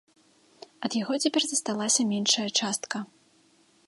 Ад яго цяпер засталася меншая частка.